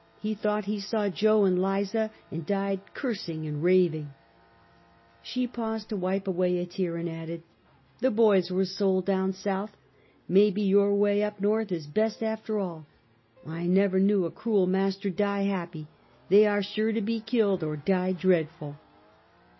He thought he saw Jo and Liza, and died cursing and raving," She paused to wipe away a tear, and added :" The boys were sold down South. Maybe your way, up Korth, is best, after all. I never knew a cruel master die happy. They are sure to be killed, or die dread ful!"